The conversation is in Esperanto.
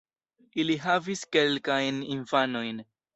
Ili havis kelkajn infanojn.